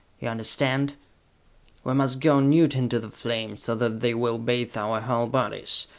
You understand? We must go nude into the flames, so that they will bathe our whole bodies!